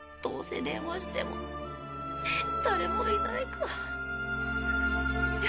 どうせ電話しても誰もいないか。